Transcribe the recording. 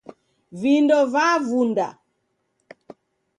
Vindo vavunda